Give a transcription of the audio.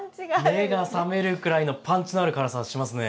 目が覚めるくらいのパンチのある辛さがしますね。